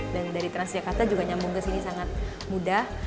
dan dari transjakarta juga nyambung ke sini sangat mudah